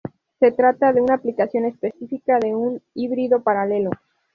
Se trata de una aplicación específica de un híbrido paralelo.